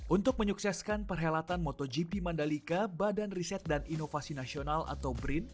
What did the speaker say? untuk menyukseskan perhelatan motogp mandalika badan riset dan inovasi nasional atau brin